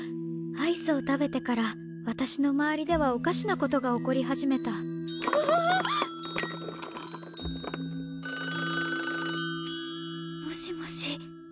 アイスを食べてから私の周りではおかしなことが起こり始めたうわあ！もしもし？